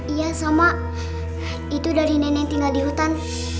iya sama itu dari nenek tinggal di hutan